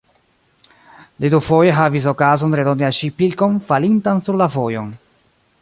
Li dufoje havis okazon redoni al ŝi pilkon falintan sur la vojon.